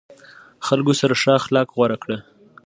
د خلکو سره ښه اخلاق غوره کړه.